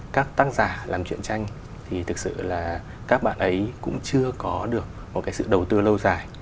các tác giả làm chuyện tranh thì thực sự là các bạn ấy cũng chưa có được một cái sự đầu tư lâu dài